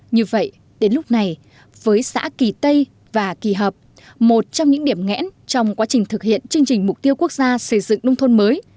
như vậy đến lúc này với xã kỳ tây và kỳ hợp một trong những điểm ngẽn trong quá trình thực hiện chương trình mục tiêu quốc gia xây dựng nông thôn mới